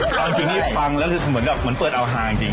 ตอนจริงนี้ฟังแล้วเหมือนเปิดเอาห่างจริง